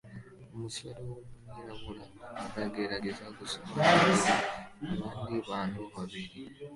Umusore wumwirabura aragerageza gusobanurira abandi bantu babiri